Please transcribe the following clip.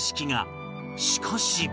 しかし